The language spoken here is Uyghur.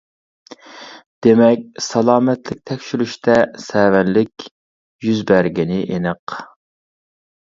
دېمەك سالامەتلىك تەكشۈرۈشتە سەۋەنلىك يۈز بەرگىنى ئېنىق.